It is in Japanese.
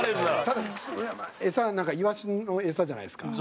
ただ餌なんかイワシの餌じゃないですか。